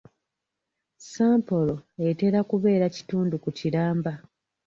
Sampolo etera kubeera kitundu ku kiramba.